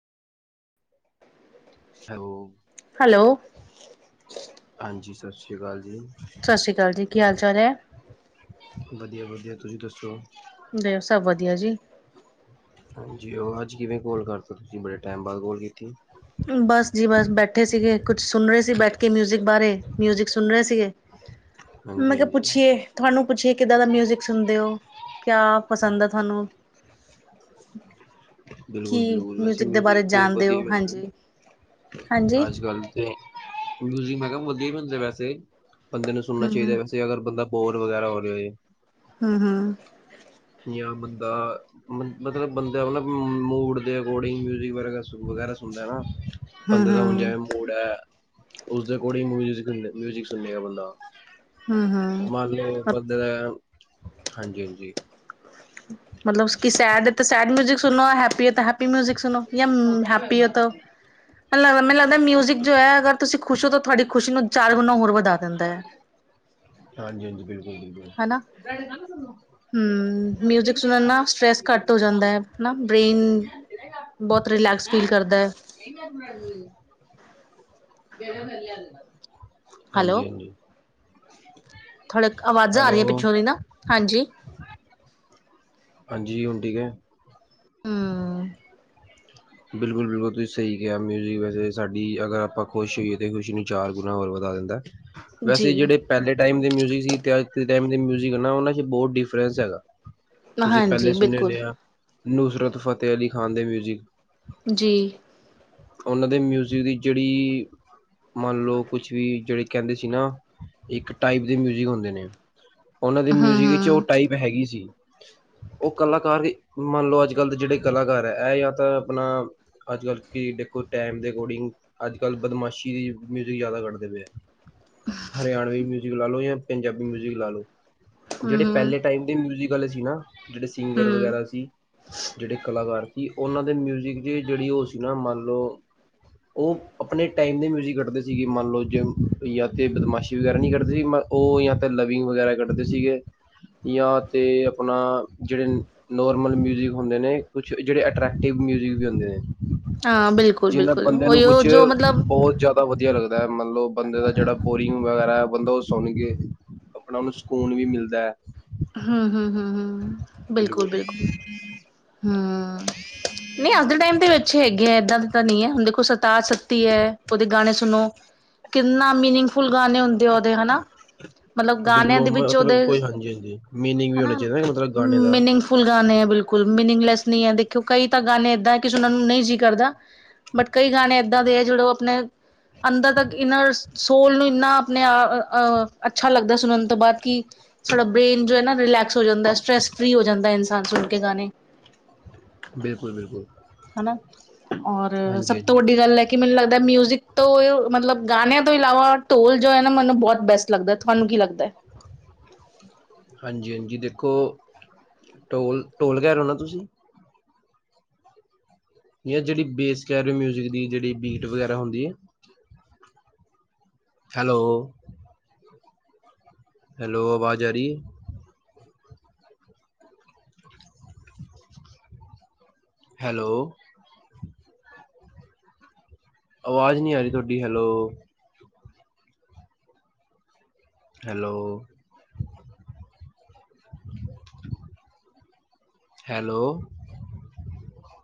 Hello hello, ਹਾਂਜੀ ਸਤਿ ਸ੍ਰੀ ਅਕਾਲ ਜੀ ਸਤਿ ਸ੍ਰੀ ਅਕਾਲ ਜੀ ਕੀ ਹਾਲ ਚਾਲ ਹੈ ਵਧੀਆ-ਵਧੀਆ ਤੁਸੀਂ ਦੱਸੋ ਦੇਖ ਸਭ ਵਧੀਆ ਜੀ ਹਾਂਜੀ ਉਹ ਅੱਜ ਕਿਵੇਂ ਕੋਲ ਕਰ ਸਕਦੀ ਬੜੇ ਟਾਈਮ ਬਾਅਦ ਕੋਲ ਕੀਤੀ। ਬਸ ਜੀ ਬਸ ਬੈਠੇ ਸੀਗੇ ਕੁਛ ਸੁਣ ਰਹੇ ਸੀ ਬੈਠ ਕੇ ਮਿਊਜਿਕ ਬਾਰੇ ਮਿਊਜਿਕ ਸੁਣ ਰਹੇ ਸੀਗੇ। ਹਾਂਜੀ ਮਤਲਬ ਹਾਂਜੀ ਪੁੱਛੀਏ ਤੁਹਾਨੂੰ ਪੁੱਛੀਏ ਕਿੱਦਾਂ ਦਾ ਮਿਊਜਿਕ ਸੁਣਦੇ ਹੋ। ਕਿਆ ਪਸੰਦ ਹੈ ਤੁਹਾਨੂੰ। ਕੀ ਬਿਲਕੁਲ ਬਿਲਕੁਲ ਵੈਸੇ ਮਿਊਜਿਕ ਦੇ ਬਾਰੇ ਮਿਊਜ਼ਿਕ ਚ ਤੇ ਜਾਣਦੇ ਵਧੀਆ ਹੋ, ਹੀ ਹਾਂਜੀ। ਮਿਲਦਾ ਹਾਂਜੀ। ਅੱਜ ਕਲ ਤੇ ਮਿਊਜਿਕ ਮੈਂ ਕਿਹਾ ਵਧੀਆ ਹੀ ਬਣਦਾ ਵੈਸੇ। ਬੰਦੇ ਨੂੰ ਸੁਣਨਾ ਹੂੰ, ਚਾਹੀਦਾ ਹੂੰ, ਵੈਸੇ ਅਗਰ ਬੰਦਾ ਬੋਰ ਵਗੈਰਾ ਹੋ ਰਿਹਾ ਹੋਏ। [unintelligible] ਜਿਵੇਂ ਬੰਦਾ ਮਤਲਬ ਬੰਦਾ ਓਨਾ ਮੂਡ ਦੇ ਅਕੋਰਡਿੰਗ ਮਿਊਜਿਕ ਵਗੈਰਾ ਵਗੈਰਾ ਸੁਣ। ਹਨਾ। ਬੰਦੇ ਦਾ ਹੁਣ ਹੂੰ, ਜੈਵੇ ਮੂਡ ਹੈ ਉਸਦੇ ਅਕੋਡਿੰਗ ਮਿਊਜਿਕ ਸਿਕੰਡ ਮਿਊਜਿਕ ਸੁੰਨੇਗਾ ਬੰਦਾ। ਹੂੰ, ਹੂੰ। ਮੰਨ ਲਓ ਬੰਦੇ ਦਾ [unintelligible] ਹਾਂਜੀ ਹਾਂਜੀ। ਮਤਲਬ ਕਿ ਸੈਡ ਏ ਤੇ ਸੈਡ ਮਿਊਜਿਕ ਸੁਣਨਾ ਹੈਪੀ ਹੈ ਹੈਪੀ ਮਿਊਜਿਕ ਸੁਣੋ ਯਾ ਹੈਪੀ ਹੈ ਤਾਂ ਮੈਨੂੰ ਲੱਗਦਾ ਮਿਊਜ਼ਿਕ ਜੋ ਹੈ ਅਗਰ ਤੁਸੀਂ ਖੁਸ਼ ਹੋ ਤੇ ਤੁਹਾਡੀ ਖੁਸ਼ੀ ਨੂੰ ਚਾਰ ਗੁਨਾ ਹੋਰ ਵਧਾ ਦਿੰਦਾ ਹੈ। ਹਾਂਜੀ ਹਾਂਜੀ, ਬਿਲਕੁਲ ਬਿਲਕੁਲ। ਹਨਾ ਮਿਊਜਿਕ ਸੁਣਨ ਨਾਲ ਸਟ੍ਰੈਸ ਘੱਟ ਹੋ ਜਾਂਦਾ ਹੈ ਹਨਾ ਬ੍ਰੇਨ ਬਹੁਤ ਰਿਲੈਕਸ ਫੀਲ ਕਰਦਾ ਹੈ। [inaudible] [inaudible] ਵੇਖ ਲੋ ਮੈਂ ਲਿਆ ਦੇਣਾ ਆ ਹਾਂਜੀ ਹਾਂਜੀ। ਥੋੜੀ ਆਵਾਜ਼ਾਂ ਆ ਰਹੀਆਂ ਹੈਲੋ ਪਿੱਛੋਂ ਦੀ ਨਾ ਹਾਂਜੀ। ਹਾਂਜੀ ਹੁਣ ਠੀਕ ਹੈ। ਹਮ ਬਿਲਕੁਲ ਬਿਲਕੁਲ ਤੁਸੀਂ ਸਹੀ ਕਿਹਾ ਮਿਊਜ਼ਿਕ ਵੈਸੇ ਸਾਡੀ ਅਗਰ ਆਪਾਂ ਖੁਸ਼ ਹੋਈਏ ਤਾਂ ਖੁਸ਼ੀ ਨੂੰ ਚਾਰ ਗੁਣਾ ਹੋਰ ਵਧਾ। [unintelligible] ਜੀ ਵੈਸੇ ਜਿਹੜੇ ਪਹਿਲੇ ਟਾਈਮ ਦੇ ਮਿਊਜਿਕ ਸੀ ਤੇ ਅੱਜ ਦੇ ਟਾਈਮ ਤੇ ਟਾਈਮ ਮਿਊਜਿਕ ਹਨ, ਉਹਨਾਂ ਚ ਬਹੁਤ ਡਿਫਰੈਂਸ ਹੈਗਾ। ਤੁਸੀਂ ਹਾਂਜੀ ਪਹਿਲੇ ਸੁਣੇ ਬਿਲਕੁਲ ਹੋਣੇ ਆ ਨੁਸਰਤ ਫ਼ਤਿਹ ਅਲੀ ਖ਼ਾਨ ਦੇ ਮਿਊਜ਼ਿਕ ਜੀ। ਉਹਨਾਂ ਦੇ ਮਿਊਜ਼ਿਕ ਦੀ ਜਿਹੜੀ ਮੰਨ ਲਓ ਕੁਛ ਵੀ ਜਿਹੜੇ ਕਹਿੰਦੇ ਸੀ ਨਾ ਇੱਕ ਟਾਈਪ ਦੇ ਮਿਊਜਿਕ ਹੁੰਦੇ ਨੇ। ਉਹਨਾਂ ਦੇ ਹਮ ਮਿਊਜ਼ਿਕ ਵਿੱਚ ਉਹ ਹਮ ਟਾਈਪ ਹੈਗੀ ਸੀ। [inaudible] ਉਹ ਕਲਾਕਾਰ ਵੀ ਮੰਨ ਲਓ ਅੱਜ ਕੱਲ੍ਹ ਦੇ ਜਿਹੜੇ ਕਲਾਕਾਰ ਹੈ ਇਹ ਯਾ ਤਾਂ ਆਪਣਾ ਅੱਜ ਕੱਲ੍ਹ ਕਿ ਦੇਖੋ ਟਾਈਮ ਦੇ ਅਕੋਰਡਿੰਗ ਅੱਜ ਕੱਲ ਬਦਮਾਸ਼ੀ ਦੀ ਮਿਊਜ਼ਿਕ ਜ਼ਿਆਦਾ ਕੱਢਦੇ ਪਏ ਆ। ਹਰਿਆਣਾਵੀ ਮਿਊਜ਼ਿਕ ਲਾ ਲੋ ਯਾ ਪੰਜਾਬੀ ਮਿਊਜ਼ਿਕ ਲਾ ਲਓ। ਜਿਹੜੇ ਹਮ ਹਮ ਪਹਿਲੇ ਟਾਈਮ ਦੇ ਮਿਊਜਿਕ ਵਾਲੇ ਸੀ ਨਾ ਜਿਹੜੇ ਸਿੰਗਰ ਹਮ ਵਗੈਰਾ ਸੀ ਜਿਹੜੇ ਕਲਾਕਾਰ ਸੀ ਉਹਨਾਂ ਦੇ ਮਿਊਜਿਕ ਚ ਜਿਹੜੀ ਉਹ ਸੀ ਜਨ੍ਹਾਂ ਮੱਲ ਲਓ। ਉਹ ਆਪਣੇ ਟਾਈਮ ਦੇ ਮਿਊਜਿਕ ਕੱਢਦੇ ਸੀਗੇ ਮੰਨ ਲਓ ਜਿਵੇ ਯਾ ਤੇ ਬਦਮਾਸ਼ੀ ਵਗੈਰਾ ਨਹੀਂ ਕਰਦੇ ਸੀ ਉਹ ਯਾ ਤੇ ਲਵਿੰਗ ਵਗੈਰਾ ਕੱਢਦੇ ਸੀਗੇ ਯਾ ਤੇ ਆਪਣਾ ਜਿਹੜੇ ਨੋਰਮਲ ਮਿਊਜਿਕ ਹੁੰਦੇ ਨੇ ਕੁਛ ਜਿਹੜੇ ਅਟਰੈਕਟਿਵ ਮਿਊਜਿਕ ਵੀ ਹੁੰਦੇ ਨੇ। ਹਾਂ ਬਿਲਕੁਲ ਜਿੰਨਾ ਬਿਲਕੁਲ ਬੰਦਿਆਂ ਨੂੰ ਉਹੀਓ ਕੁਛ ਜੋ ਮਤਲਬ ਬਹੁਤ ਜ਼ਿਆਦਾ ਵਧੀਆ ਲੱਗਦਾ। [unintelligible] ਮਤਲਬ ਬੰਦੇ ਦਾ ਜਿਹੜਾ ਬੋਰਿੰਗ ਵਗੈਰਾ ਬੰਦਾ ਉਹ ਸੁਣ ਕੇ ਆਪਣਾ ਉਹਨੂੰ ਸਕੂਨ ਵੀ ਮਿਲਦਾ ਹੈ। [unintelligible] [unintelligible] ਹ ਮ, ਨਹੀਂ ਅੱਜ ਦੇ ਟਾਈਮ ਤੇ ਅੱਛੀ ਹੈਗੇ ਆ ਇਦਾਂ ਦੇ ਨਹੀਂ ਹੈ ਹੁਣ ਦੇਖੋ ਸਰਤਾਜ਼ ਸਤੀ ਹੈ ਉਹਦੇ ਗਾਣੇ ਸੁਣੋ ਕਿੰਨਾ ਮੀਨਿੰਗਫੁਲ ਗਾਣੇ ਹੁੰਦੇ ਉਹਦੇ ਹਨਾ। ਮਤਲਬ ਬਿਲਕੁਲ ਗਾਣਿਆਂ ਉਹ ਦੇ ਵਿੱਚ ਉਹਦੇ ਮਤਲਬ ਕੋਈ ਹਾਂਜੀ ਹਾਂਜੀ ਮੀਨਿੰਗ ਵੀ ਹੋਣਾ ਹਨਾ ਚਾਹੀਦਾ ਨਾ ਮਤਲਬ ਗਾਣੇ ਦਾ ਮੀਨਿੰਗਫੁਲ ਗਾਣੇ ਆ ਬਿਲਕੁਲ। ਮੀਨਿੰਗਲੈਸ ਨੀ ਹੈ ਦੇਖਿਓ ਕਈ ਤਾਂ ਗਾਣੇ ਏਦਾਂ ਕੀ ਸੁਣਨ ਨੂੰ ਨਹੀਂ ਜੀਅ ਕਰਦਾ ਬਟ ਕਈ ਗਾਣੇ ਏਦਾਂ ਦੇ ਜਿਹੜੇ ਉਹ ਆਪਣੇ ਅੰਦਰ ਤੱਕ ਇਹਨਾਂ ਸੋਲ ਨੂੰ ਇੰਨਾ ਆਪਣੇ ਅਹ ਅੱਛਾ ਲੱਗਦਾ ਸੁਣਨ ਤੋਂ ਬਾਅਦ ਕਿ ਸਾਡਾ ਬ੍ਰੇਨ ਜੋ ਹੈ ਨਾ ਰਿਲੈਕਸ ਹੋ ਜਾਂਦਾ ਸਟਰੈੱਸਸ ਫ੍ਰਰੀ ਹੋ ਜਾਂਦਾ ਇਨਸਾਨ ਸੁਣ ਕੇ ਗਾਣੇ ਬਿਲਕੁਲ ਬਿਲਕੁਲ ਹਨਾ ਔਰ ਹਾਂਜੀ ਸਭ ਤੋਂ ਹਾਂਜੀ ਵੱਡੀ ਗੱਲ ਹੈ ਕਿ ਮੈਨੂੰ ਲੱਗਦਾ ਦਾ ਮਿਊਜ਼ਿਕ ਤੋਂ ਮਤਲਬ ਗਾਣਿਆਂ ਤੋਂ ਇਲਾਵਾ ਢੋਲ ਜੋ ਹੈ ਨਾ ਮੈਨੂੰ ਬਹੁਤ ਬੈਸਟ ਲੱਗਦਾ ਤੁਹਾਨੂੰ ਕੀ ਲੱਗਦਾ [unintelligible] ਹਾਂਜੀ ਹਾਂਜੀ ਦੇਖੋ ਢੋਲ ਢੋਲ ਕਹਿ ਰਹੇ ਹੋ ਨਾ ਤੁਸੀਂ ਜਾਂ ਜਿਹੜੀ ਬੇਸ ਕਹਿ ਰਹੀਓ ਮਿਊਜ਼ਿਕ ਦੀ ਜਿਹੜੀ ਬੀਟ ਵਗੈਰਾ ਹੁੰਦੀ ਏ ਹੈਲੋ ਹੈਲੋ ਆਵਾਜ਼ ਆ ਰੀ ਐ ਹੈਲੋ ਆਵਾਜ਼ ਨਹੀਂ ਆ ਰਹੀ ਤੁਹਾਡੀ ਹੈਲੋ ਹੈਲੋ ਹੈਲੋ [unintelligible]